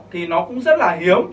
thì nó cũng rất là hiếm